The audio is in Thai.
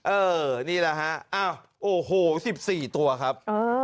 เออนี่แหละฮะโอ้โห๑๔ตัวครับ